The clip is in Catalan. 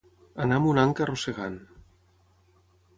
Anar amb una anca arrossegant.